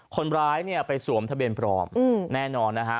คนร้ายเนี่ยไปสวมทะเบียนปลอมแน่นอนนะฮะ